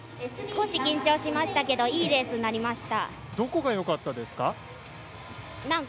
少し緊張しましたけどいいレースになりました。